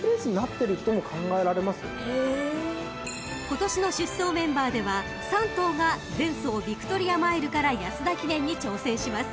［今年の出走メンバーでは３頭が前走ヴィクトリアマイルから安田記念に挑戦します］